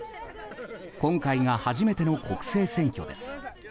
今回が初めての国政選挙です。